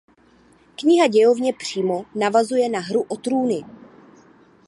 Kniha dějově přímo navazuje na Hru o trůny.